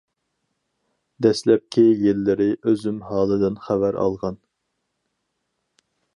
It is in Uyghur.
دەسلەپكى يىللىرى ئۆزۈم ھالىدىن خەۋەر ئالغان.